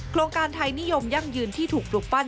โครงการไทยนิยมยั่งยืนที่ถูกปลูกปั้น